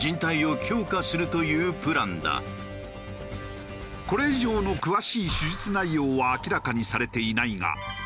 これ以上の詳しい手術内容は明らかにされていないが。